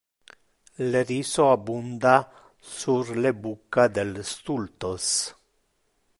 Le riso abunda sur le bucca del stultos.